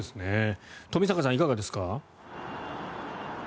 冨坂さん、いかがですか。